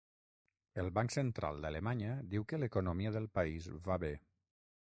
El banc central d'Alemanya diu que l'economia del país va bé